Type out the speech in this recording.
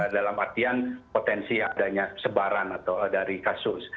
dalam artian potensi adanya sebaran atau dari kasus